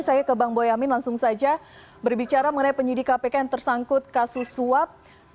saya ke bang boyamin langsung saja berbicara mengenai penyidik kpk yang tersangkut kasus suap